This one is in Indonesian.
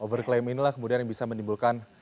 over claim inilah kemudian yang bisa menimbulkan